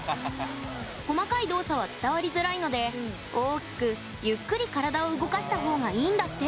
細かい動作は伝わりづらいので大きくゆっくり体を動かした方がいいんだって。